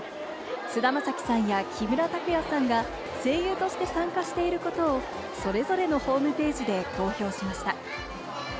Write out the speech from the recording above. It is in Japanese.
菅田将暉さんや木村拓哉さんが声優として参加していることをそれぞれのホームページで公表しました。